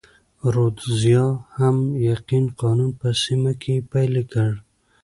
رودزیا هم عین قانون په سیمه کې پلی کړ.